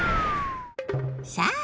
さあ